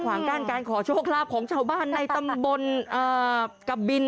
งก้านการขอโชคลาภของชาวบ้านในตำบลกะบิน